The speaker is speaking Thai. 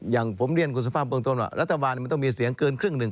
อย่างผมเรียนคุณสุภาพเบื้องต้นว่ารัฐบาลมันต้องมีเสียงเกินครึ่งหนึ่ง